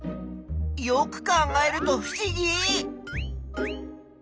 よく考えるとふしぎ！